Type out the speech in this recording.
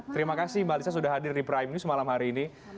terima kasih mbak lisa sudah hadir di prime news malam hari ini